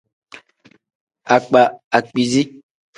Akpa akpiizi.